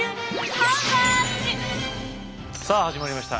さあ始まりました。